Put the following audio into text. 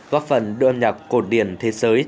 góp phần đưa âm nhạc cổ điển thế giới